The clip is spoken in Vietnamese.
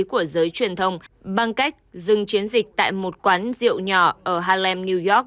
của giới truyền thông bằng cách dừng chiến dịch tại một quán rượu nhỏ ở halem new york